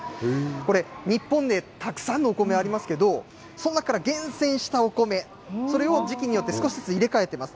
これ、日本でたくさんのお米ありますけど、その中から厳選したお米、それを時期によって少しずつ入れ替えてます。